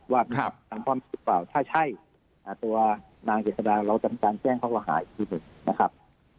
ว่ามีผลิตรึเปล่าถ้าใช่ทางนางเจษฎาเราจำการแจ้งเขาว่าหายอีกทีหนึ่งนะครับ